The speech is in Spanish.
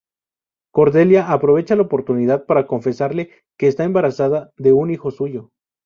Cordelia aprovecha la oportunidad para confesarle que está embarazada de un hijo suyo.